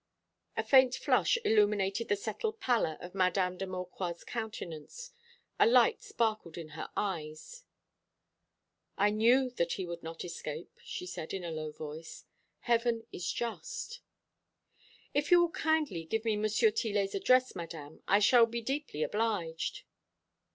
A faint flush illuminated the settled pallor of Mdme. de Maucroix's countenance, a light sparkled in her eyes. "I knew that he would not escape," she said, in a low voice. "Heaven is just." "If you will kindly give me M. Tillet's address, Madame, I shall be deeply obliged."